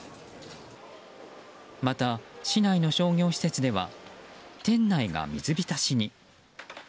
また、市内の商業施設では店内が水浸しに。